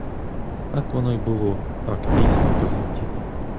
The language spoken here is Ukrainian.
Так воно й було; так дійсно казав дід.